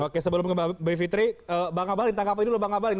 oke sebelum ke mbak fitri mbak ngabalin tangkapin dulu mbak ngabalin